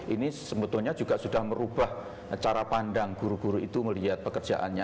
ini sebetulnya juga sudah merubah cara pandang guru guru itu melihat pekerjaannya